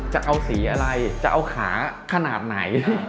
จะเอาสีอะไรจะเอาขาขนาดไหน